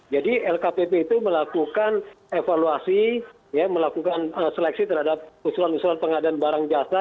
jadi lkpp itu melakukan evaluasi melakukan seleksi terhadap usulan usulan pengadaan barang jasa